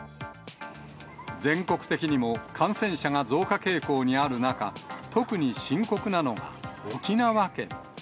全国的にも感染者が増加傾向にある中、特に深刻なのが沖縄県。